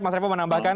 mas revo menambahkan